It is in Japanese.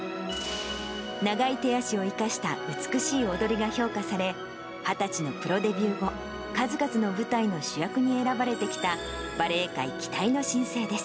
長い手足を生かした美しい踊りが評価され、２０歳のプロデビュー後、数々の舞台の主役に選ばれてきたバレエ界期待の新星です。